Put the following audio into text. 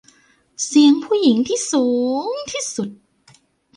เสียงผู้หญิงที่สูงที่สุด